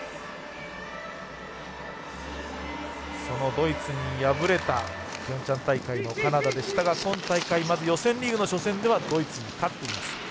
そのドイツに敗れたピョンチャン大会のカナダでしたが今大会まず予選リーグの初戦ではドイツに勝っています。